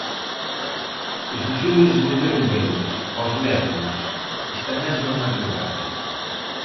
Os veciños volveron velos, aos mesmos, esta mesma madrugada.